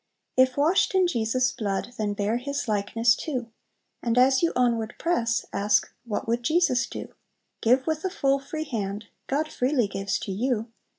"If washed in Jesus' blood, Then bear His likeness too! And as you onward press, Ask, 'What would Jesus do?' "Give with a full, free hand; God freely gives to you!